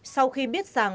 cố tôi là sai